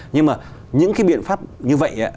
nhưng mà những cái biện pháp như vậy